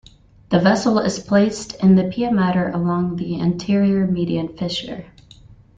The vessel is placed in the pia mater along the anterior median fissure.